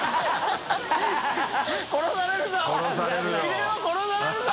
譴殺されるぞ！